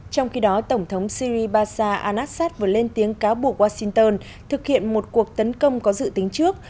trong khi đó tổng thống syri basa anasat vừa lên tiếng cáo buộc washington thực hiện một cuộc tấn công có dự tính trước